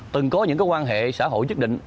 từng có những quan hệ xã hội chức định